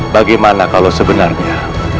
bagaimana kalau sebenarnya